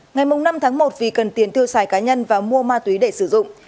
ngày năm tháng một vì cần tiền tiêu xài cá nhân và mua ma túy để sử dụng